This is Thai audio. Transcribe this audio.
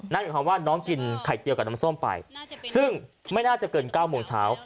หมายความว่าน้องกินไข่เจียวกับน้ำส้มไปซึ่งไม่น่าจะเกิน๙โมงเช้า